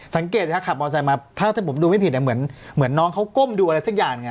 สังเกตนะครับขับรถจักรยานยนต์มาถ้าท่านผมดูไม่ผิดเนี่ยเหมือนเหมือนน้องเขาก้มดูอะไรสักอย่างเนี่ย